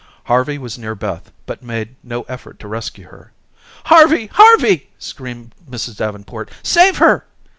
Harvey was near Beth, but made no effort to rescue her. "Harvey, Harvey," screamed Mrs. Davenport, "save her."